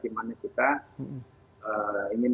di mana kita ingin